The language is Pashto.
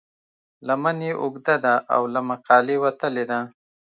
لمن یې اوږده ده او له مقالې وتلې ده.